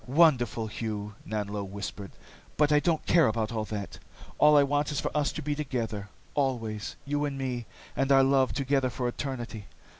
"Wonderful, Hugh," Nanlo whispered. "But I don't care about that. All I want is for us to be together. Always. You and me, and our love, together for eternity.